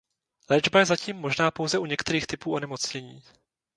Léčba je zatím možná pouze u některých typů onemocnění.